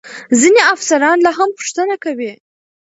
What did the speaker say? ځینې افسران لا هم پوښتنه کوي.